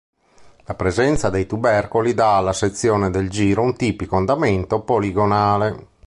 La presenza dei tubercoli dà alla sezione del giro un tipico andamento poligonale.